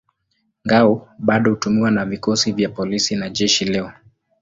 Ngao bado hutumiwa na vikosi vya polisi na jeshi leo.